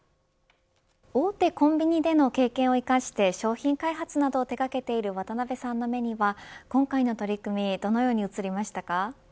大手コンビニでの経験を生かして商品開発などを手がけている渡辺さんの目には今回の取り組みどのように映りましたか。